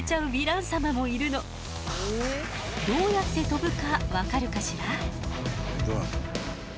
どうやって飛ぶか分かるかしら？